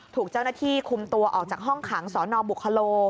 ถูกเจ้าหน้าที่คุมตัวออกจากห้องขังสนบุคโล